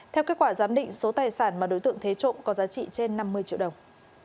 theo kết quả giám định số tài sản mà đối tượng thế trộm có giá trị trên năm mươi triệu đồng